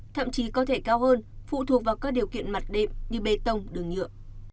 thậm chí có thể cao hơn phụ thuộc vào các điều kiện mặt đệm như bê tông đường nhựa